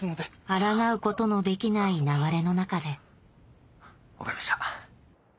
あらがうことのできない流れの中で分かりました。